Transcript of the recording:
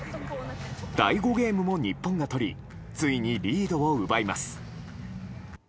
第５ゲームも日本が取りついにリードを奪います。